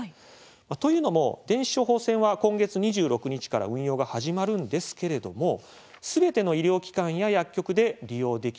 というのも電子処方箋は今月２６日から運用が始まるんですけれどもすべての医療機関や薬局で利用できるわけではありません。